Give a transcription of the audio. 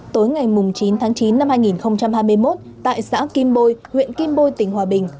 tối ngày chín tháng chín năm hai nghìn hai mươi một tại xã kim bôi huyện kim bôi tỉnh hòa bình